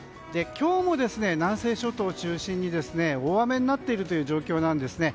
今日も南西諸島を中心に大雨になっている状況なんです。